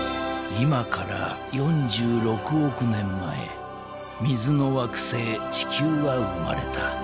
［今から４６億年前水の惑星地球は生まれた］